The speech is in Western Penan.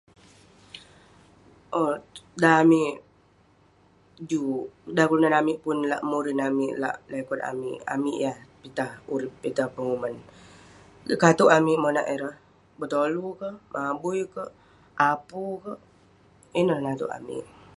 Owk dan amik juk, dan kelunan amik pun lak murin amik, lak lekot amik, amik yah pitah urip amik yah pitah penguman. Yeng katouk amik monak ireh, betolu kek, mabui kek, apu kek. Ineh natouk amik.